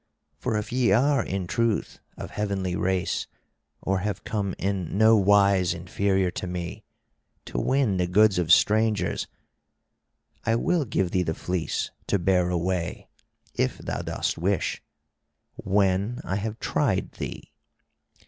For if ye are in truth of heavenly race, or have come in no wise inferior to me, to win the goods of strangers, I will give thee the fleece to bear away, if thou dost wish, when I have tried thee.